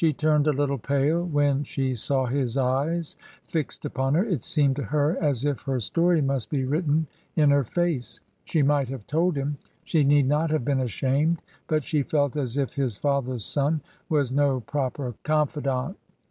turned a little pale when she saw his eyes fixed upon her. It seemed to her as if her story must be written in her face. She might have told him — she need not have been ashamed — ^but she felt as if his father's son was no proper confidant.